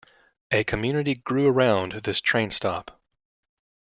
A community grew around this train stop.